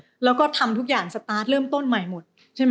เพราะว่าพี่ทำทุกอย่างสตาร์ทเริ่มต้นใหม่หมดใช่ไหม